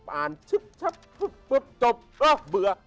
อ่านชับจบเออเบื่อ